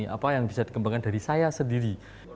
apa yang bisa dikembangkan dari saya sendiri